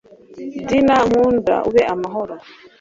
dyna nkunda ube amahoro